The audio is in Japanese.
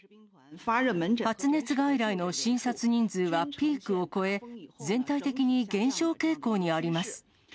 発熱外来の診察人数はピークを越え、全体的に減少傾向にあります。